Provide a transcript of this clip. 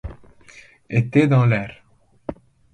étaient dans l’air.